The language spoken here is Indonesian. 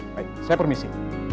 baik saya permisi